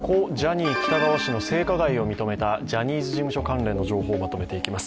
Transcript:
続いては、故・ジャニー喜多川氏の性加害を認めたジャニーズ事務所関連の情報をまとめていきます。